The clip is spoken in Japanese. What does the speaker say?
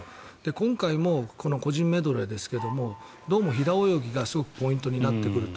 今回もこの個人メドレーですけれどもどうも平泳ぎがすごくポイントになってくると。